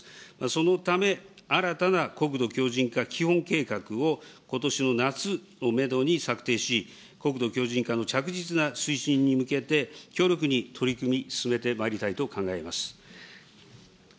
そのため、新たな国土強じん化基本計画を、ことしの夏をメドに策定し、国土強じん化の着実な推進に向けて、強力に取り組み、進めてまいりたいと考えております。